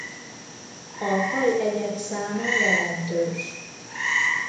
A faj egyedszáma jelentős.